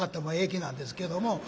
駅なんですけども。